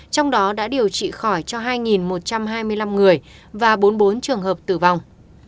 trong đó đã điều trị khỏi cho hai một trăm hai mươi năm người và bốn mươi bốn trường hợp tử vong